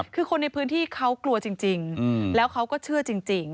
คือคนในพื้นที่เขากลัวจริงแล้วเขาก็เชื่อจริง